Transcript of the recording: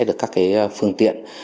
được các cái phương tiện